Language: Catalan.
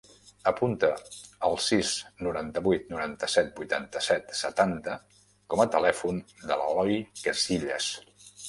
Apunta el sis, noranta-vuit, noranta-set, vuitanta-set, setanta com a telèfon de l'Eloi Casillas.